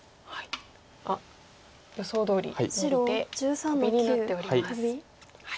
あっ予想どおりノビてトビになっております。